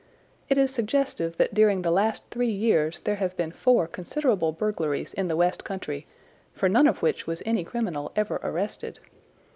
It is suggestive that during the last three years there have been four considerable burglaries in the west country, for none of which was any criminal ever arrested.